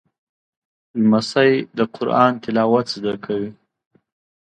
لمسی د قرآن تلاوت زده کوي.